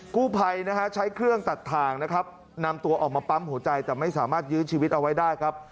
กู้ภัยนะฮะใช้เครื่องตัดทางนะครับนำตัวออกมาปั๊มหัวใจแต่ไม่สามารถยื้อชีวิตเอาไว้ได้ครับ